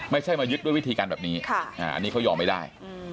ไม่ใช่มายึดด้วยวิธีการแบบนี้อันนี้เขายอมไม่ได้